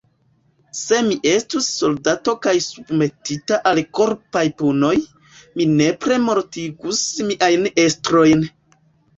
Se mi estus soldato kaj submetita al korpaj punoj, mi nepre mortigus miajn estrojn.